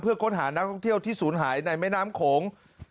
เพื่อค้นหานักท่องเที่ยวที่ศูนย์หายในแม่น้ำโขง